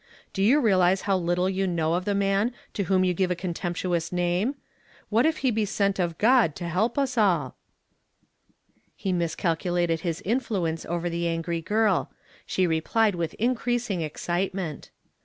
Do you realize how little you know of the man to whom you give a contemptuous name? What if he be sent of CJod to help us all? " •"HE IS DKSPISKI) and RE.JKCTED/ 165 He miscalculated his influence over the angry girl. She replied with increasing excitement.